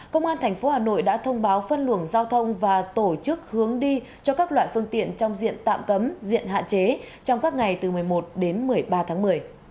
công an tp hà nội đã thông báo phân luồng giao thông và tổ chức hướng đi cho các loại phương tiện trong diện tạm cấm diện hạn chế trong các ngày từ một mươi một đến một mươi ba tháng một mươi